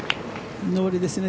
上りですね。